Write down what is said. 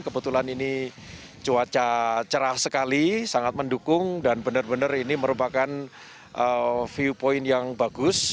kebetulan ini cuaca cerah sekali sangat mendukung dan benar benar ini merupakan view point yang bagus